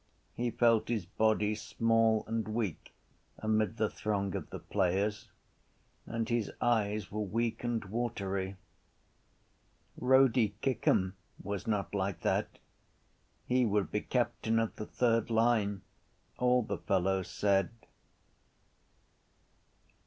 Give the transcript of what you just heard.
He felt his body small and weak amid the throng of the players and his eyes were weak and watery. Rody Kickham was not like that: he would be captain of the third line all the fellows said.